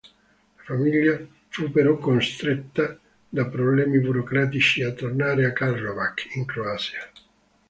La famiglia fu però costretta da problemi burocratici a tornare a Karlovac, in Croazia.